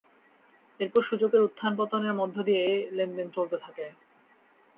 এরপর সূচকের উত্থান পতনের মধ্য দিয়ে লেনদেন চলতে থাকে।